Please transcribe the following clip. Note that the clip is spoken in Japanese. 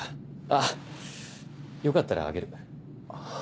あっよかったらあげる。